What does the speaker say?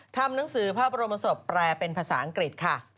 ทำงานภาพบรมศพแปลเป็นภาษาอังกฤษค่ะ